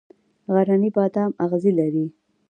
غرنی بادام اغزي لري؟